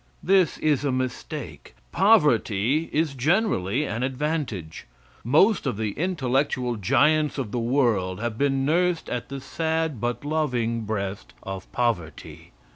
This is a mistake. Poverty is generally an advantage. Most of the intellectual giants of the world have been nursed at the sad but loving breast of poverty.